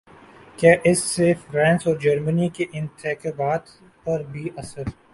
کہ اس سے فرانس ا ور جرمنی کے انتخابات پر بھی اثر